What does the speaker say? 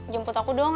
jemput aku dong